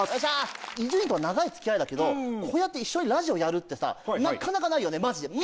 伊集院とは長い付き合いだけどこうやって一緒にラジオやるってなっかなかないよねマジで。